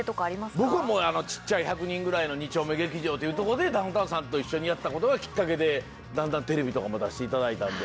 僕、もうちっちゃい１００人ぐらいの２丁目劇場というとこでダウンタウンさんと一緒にやったことがきっかけで、だんだんテレビとかも出していただいてので。